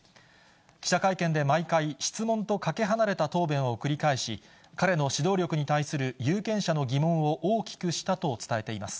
記者会見で毎回、質問とかけ離れた答弁を繰り返し、彼の指導力に対する有権者の疑問を大きくしたと伝えています。